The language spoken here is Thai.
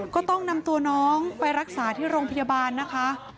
ก็ต้องนำตัวน้องไปรักษาที่โรงพยาบาลนะคะ